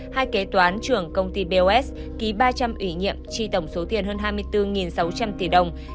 hai kế toán trưởng công ty bos ký ba trăm linh ủy nhiệm tri tổng số tiền hơn hai mươi bốn sáu trăm linh tỷ đồng